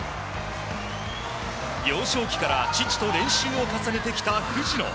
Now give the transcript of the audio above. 幼少期から父と練習を重ねてきた藤野。